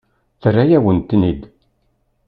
Terra-yawen-ten-id.